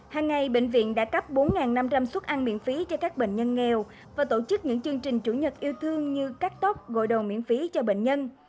hàng ngày bệnh viện đã cấp bốn năm trăm linh xuất ăn miễn phí cho các bệnh nhân nghèo và tổ chức những chương trình chủ nhật yêu thương như cắt tóc gội đồ miễn phí cho bệnh nhân